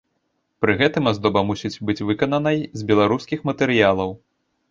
Пры гэтым аздоба мусіць быць выкананай з беларускіх матэрыялаў.